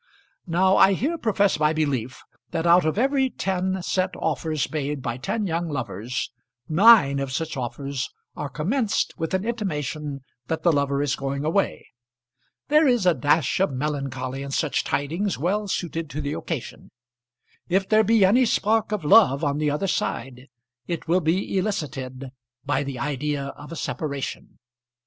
Now I here profess my belief, that out of every ten set offers made by ten young lovers, nine of such offers are commenced with an intimation that the lover is going away. There is a dash of melancholy in such tidings well suited to the occasion. If there be any spark of love on the other side it will be elicited by the idea of a separation.